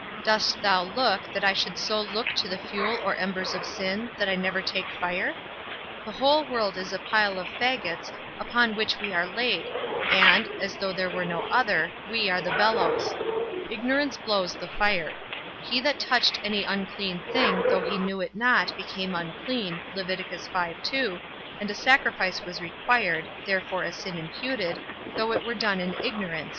Dost thou look, that I should so look to the fuel or embers of sin, that I never take fire? The whole world is a pile of fagots, upon which we are laid, and (as though there were no other) we are the bellows. Ignorance blows the fire. He that touched any unclean thing, though he knew it not, became unclean, and a sacrifice was required (therefore a sin imputed), though it were done in ignorance.